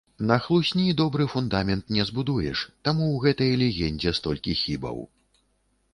На хлусні добры фундамент не збудуеш, таму ў гэтай легендзе столькі хібаў.